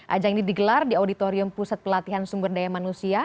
ajang ini digelar di auditorium pusat pelatihan sumber daya manusia